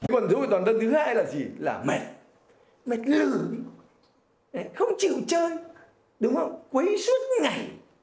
còn dấu hiệu toàn thân thứ hai là gì là mệt mệt lửa không chịu chơi đúng không quấy suốt ngày